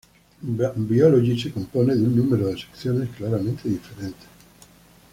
Biology se compone de un número de secciones claramente diferentes.